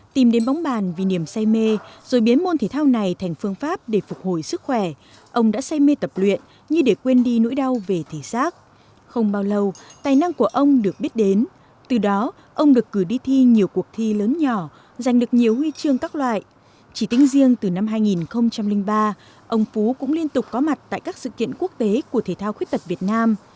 tìm đến bóng bàn vì niềm say mê ông đã trở thành một vận động viên nòng cốt trong đội hình người khuyết tật của việt nam